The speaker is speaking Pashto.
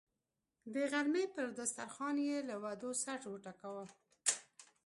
د غرمې پر دسترخان یې له وعدو سر وټکاوه.